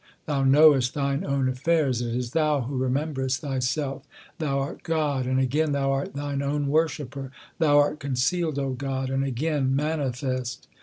Thou knowest Thine own affairs ; it is Thou who remem berest Thyself. 3 Thou art God, and again Thou art Thine own worshipper ; Thou art concealed, O God, and again manifest.